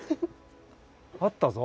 あったぞ。